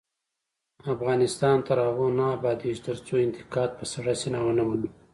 افغانستان تر هغو نه ابادیږي، ترڅو انتقاد په سړه سینه ونه منو.